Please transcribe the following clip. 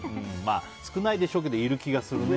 少ないでしょうけどいる気がするね。